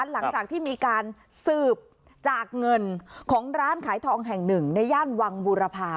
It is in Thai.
หลังจากที่มีการสืบจากเงินของร้านขายทองแห่งหนึ่งในย่านวังบูรพา